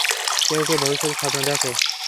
কেউ-কেউ ভবিষ্যতের স্বপ্ন দেখে।